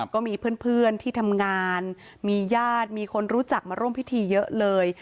ก็มีเพื่อนที่ทำงานมีญาติมีคนรู้จักมาร่วมพิธีเยอะเลย